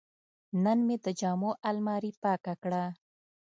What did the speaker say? نن مې د جامو الماري پاکه کړه.